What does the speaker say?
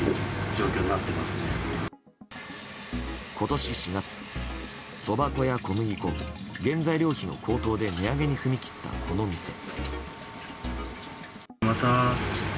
今年４月、そば粉や小麦粉原材料費の高騰で値上げに踏み切った、この店。